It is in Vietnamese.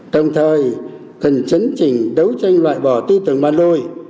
đồng thời cần chấn trình đấu tranh loại bỏ tư tưởng mà lôi